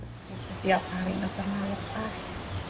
tiap hari gak pernah lepas